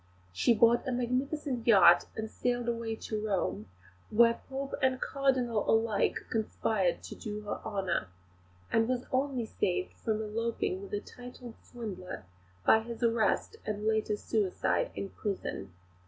She bought a magnificent yacht and sailed away to Rome, where Pope and Cardinal alike conspired to do her honour; and was only saved from eloping with a titled swindler by his arrest and later suicide in prison.